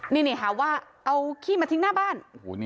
นี่หาว่าเอาขี้มาทิ้งหน้าบ้าน